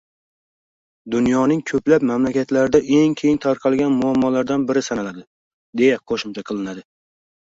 dunyoning ko‘plab mamlakatlarida eng keng tarqalgan muammolardan biri sanaladi», – deya qo‘shimcha qilinadi.